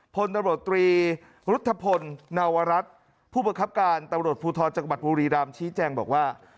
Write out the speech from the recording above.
ผลตรวจตรีรุธพลนวรัฐผู้บังคับการณ์ตรวจภูทธอจังหวัดบุรีรัมน์ชี้แจงบอกว่า